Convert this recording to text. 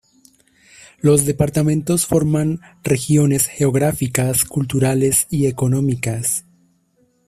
Los departamentos forman regiones geográficas, culturales y económicas.